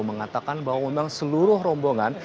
mengatakan bahwa memang seluruh rombongan